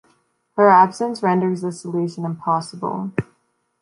Her absence renders this solution impossible.